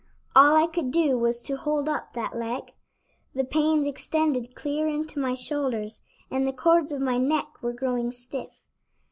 All I could do was to hold up that leg. The pains extended clear into my shoulders, and the cords of my neck were growing stiff.